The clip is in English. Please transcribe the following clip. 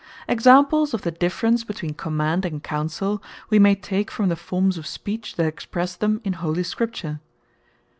Examples of the difference between Command and Counsell, we may take from the formes of Speech that expresse them in Holy Scripture.